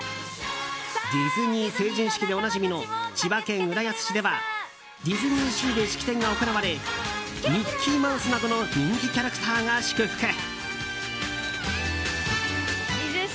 ディズニー成人式でおなじみの千葉県浦安市ではディズニーシーで式典が行われミッキーマウスなどの人気キャラクターが祝福。